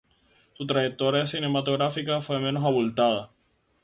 Su trayectoria cinematográfica fue menos abultada.